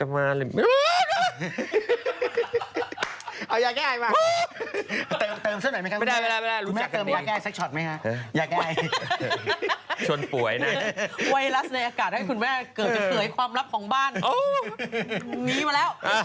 หรือไม่ท้องไหมฮะให้ใส่ก่อนยังไอหว้แล้วคุณแม่เกิดไหับความลับของบ้านอันนี้ก็แล้ว